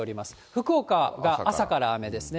福岡が朝から雨ですね。